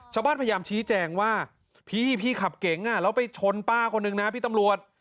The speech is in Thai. พยายามชี้แจงว่าพี่พี่ขับเก๋งแล้วไปชนป้าคนนึงนะพี่ตำรวจ